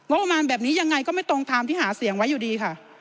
ประมาณแบบนี้ยังไงก็ไม่ตรงตามที่หาเสียงไว้อยู่ดีค่ะ